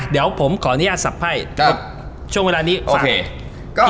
เดี๋ยวผมขออนุญาตศัพท์ให้ช่วงเวลานี้๓นิตา